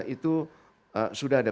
itu sudah ada